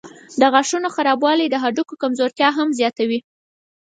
د غاښونو خرابوالی د هډوکو کمزورتیا هم زیاتوي.